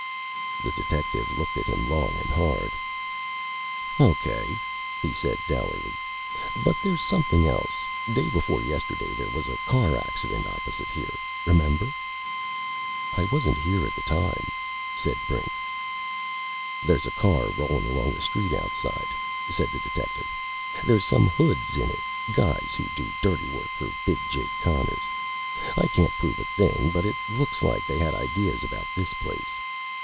The detective looked at him long and hard. "O.K.," he said dourly. "But there's something else. Day before yesterday there was a car accident opposite here. Remember?" "I wasn't here at the time," said Brink. "There's a car rolling along the street outside," said the detective. "There's some hoods in it guys who do dirty work for Big Jake Connors. I can't prove a thing, but it looks like they had ideas about this place.